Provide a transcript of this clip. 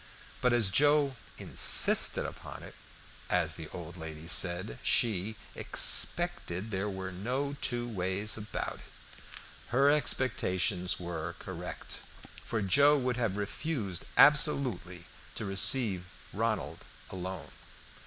But as Joe "insisted upon it," as the old lady said, she "expected there were no two ways about it." Her expectations were correct, for Joe would have refused absolutely to receive Ronald alone.